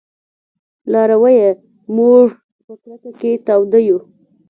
لارويه! موږ په کرکه کې تاوده يو